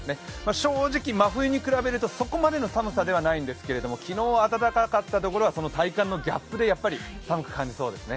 正直、真冬に比べるとそこまでの寒さではないんですが昨日、暖かかったところはその体感のギャップでやっぱり寒く感じそうですね。